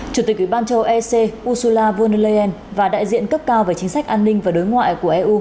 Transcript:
chủ tịch ủy ban châu âu ec ursula von leyen và đại diện cấp cao về chính sách an ninh và đối ngoại của eu